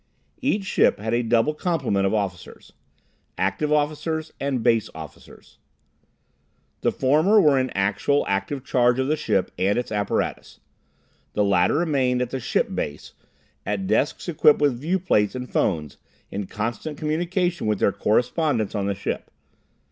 Each ship had a double complement of officers. Active Officers and Base Officers. The former were in actual, active charge of the ship and its apparatus. The latter remained at the ship base, at desks equipped with viewplates and phones, in constant communication with their "correspondents," on the ship.